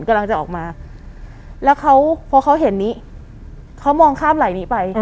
กำลังจะออกมาแล้วเขาพอเขาเห็นนี้เขามองข้ามไหล่นี้ไป